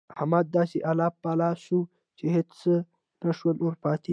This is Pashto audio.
احمد داسې الپی الا سو چې هيڅ نه شول ورپاته.